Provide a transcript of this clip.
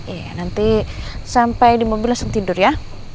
iya nanti sampai di mobil langsung tidur ya